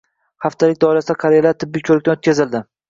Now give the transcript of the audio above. Haftalik doirasida qariyalar tibbiy ko‘rikdan o‘tkazildi